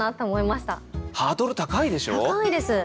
高いです。